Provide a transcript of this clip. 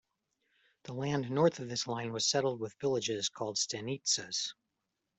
The land north of this line was settled with villages called stanitsas.